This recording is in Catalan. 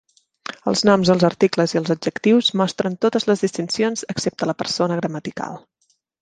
Els noms, els articles i els adjectius mostren totes les distincions excepte la persona gramatical.